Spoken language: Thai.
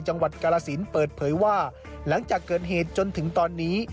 จังหวัดกาลสินเปิดเผยว่าหลังจากเกิดเหตุจนถึงตอนนี้